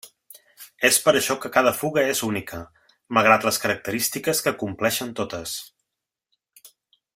És per això que cada fuga és única, malgrat les característiques que compleixen totes.